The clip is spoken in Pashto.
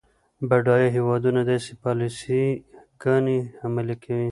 بډایه هیوادونه داسې پالیسي ګانې عملي کوي.